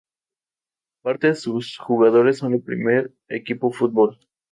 Parte de sus jugadores son del primer equipo fútbol.